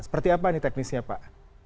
seperti apa teknisnya pak